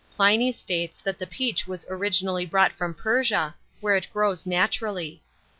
Pliny states that the peach was originally brought from Persia, where it grows naturally.